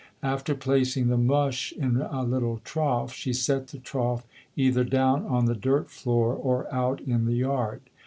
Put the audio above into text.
After placing the mush in a little trough, she set the trough either down on the dirt floor or out in the yard.